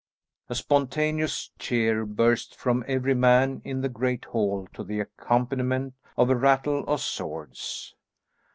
A spontaneous cheer burst from every man in the great hall to the accompaniment of a rattle of swords.